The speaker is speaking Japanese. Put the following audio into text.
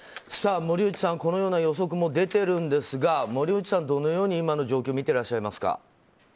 森内さん、このような予測も出ているんですが森内さん、どのように今の状況見てらっしゃいますか？